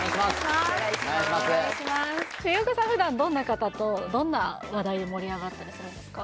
普段どんな方とどんな話題で盛り上がったりするんですか？